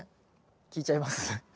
聞いちゃいます？